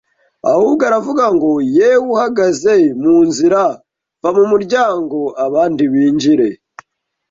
ahubwo aravuga ngo “Yewe uhagaze mu nzira va mu muryango abandi binjire